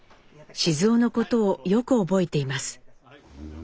雄のことをよく覚えています。